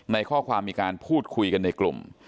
ในข้อความมีการพูดคุยกันในกลุ่ม